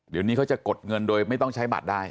เดี๋ยวนี้เขาจะกดเงินโดยไม่ต้องใช้บัตรได้